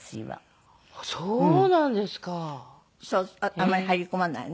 あまり入り込まないよね